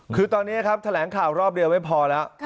คือตอนนี้ครับแถลงข่าวรอบเดียวไม่พอแล้ว